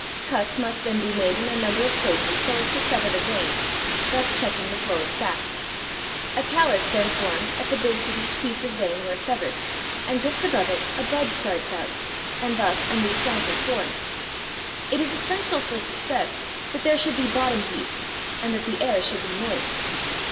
Cuts must then be made in a number of places so as to sever the veins, thus checking the flow of sap. A callus then forms at the base of each piece of vein where severed, and just above it, a bud starts out, and thus a new plant is formed. It is essential for success, that there should be bottom heat, and that the air should be moist.